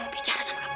mau bicara sama aku